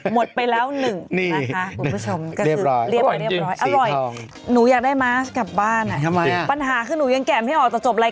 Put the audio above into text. หมดไปแล้วหนึ่งรักฮะคุณผู้ชม